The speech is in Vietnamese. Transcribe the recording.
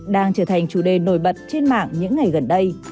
đang trở thành chủ đề nổi bật trên mạng những ngày gần đây